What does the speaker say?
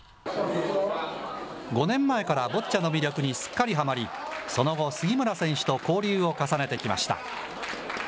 ５年前からボッチャの魅力にすっかりはまり、その後、杉村選手と交流を重ねてきました。